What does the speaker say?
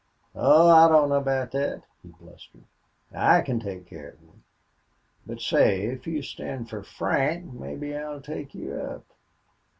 "Aw, I don't know about thet," he blustered. "I can take care of you.... But, say, if you'd stand fer Frank, mebbe I'll take you up....